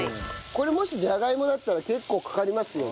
これもしじゃがいもだったら結構かかりますよね？